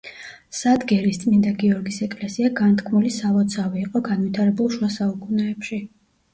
სადგერის წმინდა გიორგის ეკლესია განთქმული სალოცავი იყო განვითარებულ შუა საუკუნეებში.